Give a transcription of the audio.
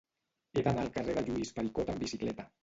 He d'anar al carrer de Lluís Pericot amb bicicleta.